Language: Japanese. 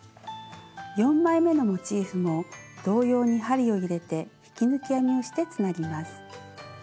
４枚めのモチーフも同様に針を入れて引き抜き編みをしてつなぎます。